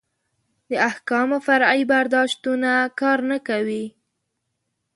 د احکامو فرعي برداشتونه کار نه کوي.